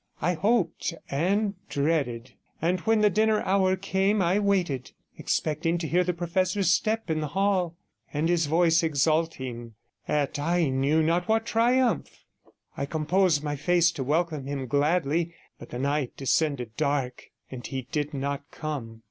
I hoped and dreaded; and when the dinner hour came I waited, expecting to hear the professor's step in the hall, and his voice exulting at I knew not what triumph. I composed my face to welcome him gladly, but the night descended dark, and he did not come.